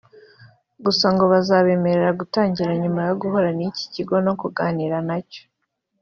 gusa ngo bakazabemerera gutangira nyuma yo guhura n'iki kigo no kuganira nacyo